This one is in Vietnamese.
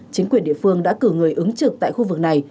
chính quyền địa phương đã cử người ứng trực tại khu vực này